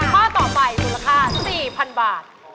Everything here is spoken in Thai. ข้อต่อไปราคา๔๐๐๐บาท